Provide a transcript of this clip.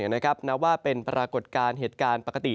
นับว่าเป็นปรากฏการณ์เหตุการณ์ปกติ